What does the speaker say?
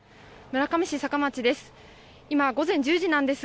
村上市坂町です。